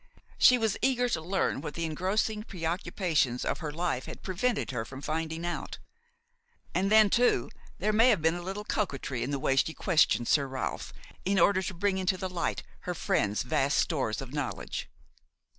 She is eager to learn what the engrossing preoccupations of her life had prevented her from finding out; and then, too, there may have been a little coquetry in the way she questioned Sir Ralph, in order to bring into the light her friend's vast stores of knowledge.